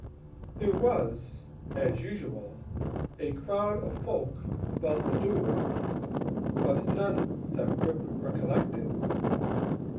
There was, as usual, a crowd of folk about the door, but none that Rip recollected.